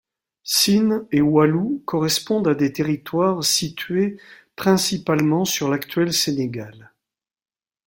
Sine et Waalo correspondent à des territoires situés principalement sur l'actuel Sénégal.